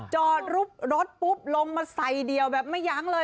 จอดรูปรถปุ๊บลงมาใส่เดี่ยวแบบไม่ยั้งเลย